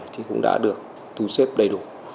thì cũng đã được thú xếp đầy đủ